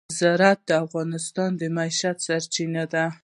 زراعت د افغانانو د معیشت یوه سرچینه ده.